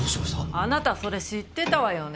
あなたそれ知ってたわよね？